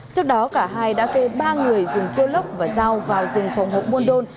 trước đó cả hai đã thuê ba người dùng cua lốc và dao vào rừng phòng hộ bồn đôn